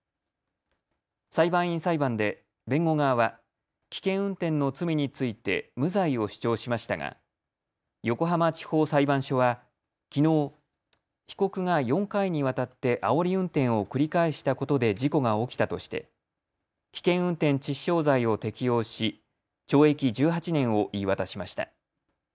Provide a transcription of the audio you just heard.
裁判員裁判で弁護側は危険運転の罪について無罪を主張しましたが横浜地方裁判所はきのう、被告が４回にわたってあおり運転を繰り返したことで事故が起きたとして危険運転致死傷罪を適用し懲役１８年を言い渡しました。